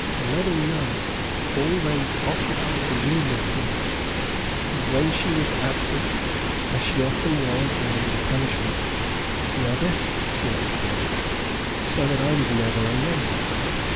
Another nun always occupied the room with me, and when she was absent, as she often was when under punishment, the Abbess slept there, so that I was never alone.